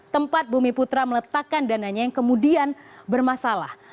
tempat bumi putra meletakkan dananya yang kemudian bermasalah